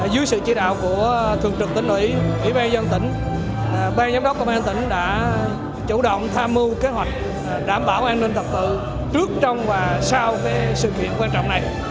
dưới sự chỉ đạo của thượng trực tỉnh nguyễn ủy ban dân tỉnh ban giám đốc công an tỉnh đã chủ động tham mưu kế hoạch đảm bảo an ninh thật tự trước trong và sau sự kiện